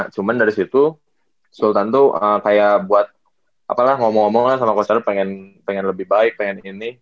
cuman dari situ sultan tuh kayak buat ngomong ngomong sama coach yarel pengen lebih baik pengen ini